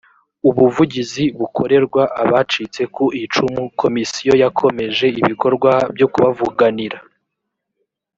ubuvugizi bukorerwa abacitse ku icumu komisiyo yakomeje ibikorwa byo kubavuganira